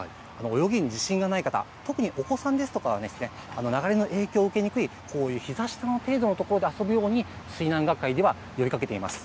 泳ぎに自信がない方、特にお子さんですとかは、流れの影響を受けにくい、こういうひざ下の程度の所で遊ぶように水難学会では呼びかけています。